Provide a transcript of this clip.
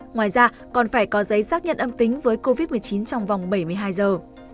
ngoài ra còn phải có giấy xác nhận âm tính với covid một mươi chín trong vòng bảy mươi hai giờ